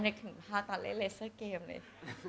นึกถึงภาพตอนเล่นเลเซอร์เกมเลย